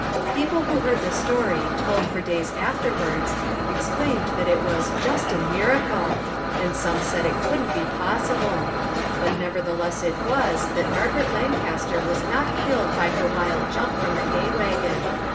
People who heard the story, told for days afterwards, exclaimed that it was " just a mira cle !" and some said it couldn't be possible ! But nevertheless it was that Margaret Lancas ter was not killed by her wild jump from the hay wagon.